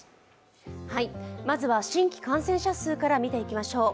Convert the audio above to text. まずは、新規感染者数から見ていきましょう。